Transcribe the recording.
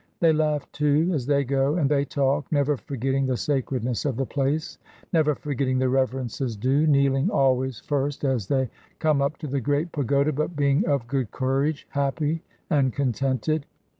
They laugh, too, as they go, and they talk, never forgetting the sacredness of the place, never forgetting the reverences due, kneeling always first as they come up to the great pagoda, but being of good courage, happy and contented.